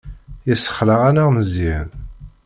Yessexleɛ-aneɣ Meẓyan.